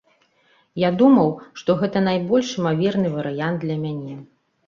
Я думаў, што гэта найбольш імаверны варыянт для мяне.